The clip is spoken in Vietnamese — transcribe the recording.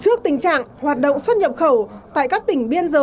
trước tình trạng hoạt động xuất nhập khẩu tại các tỉnh biên giới